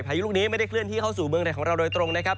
พายุลูกนี้ไม่ได้เคลื่อนที่เข้าสู่เมืองไทยของเราโดยตรงนะครับ